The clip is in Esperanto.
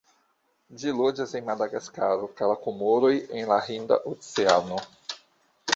Ĝi loĝas en Madagaskaro kaj la Komoroj en la Hinda Oceano.